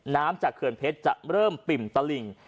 น้ำจากเขื่อนเพชรจะเริ่มปิ่มตะหลิ่ง